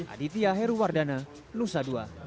aditya heruwardana lusa dua